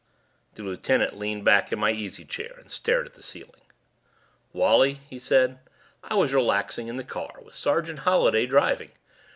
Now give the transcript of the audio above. The lieutenant leaned back in my easy chair and stared at the ceiling. "Wally," he said, "I was relaxing in the car with Sergeant Holliday driving.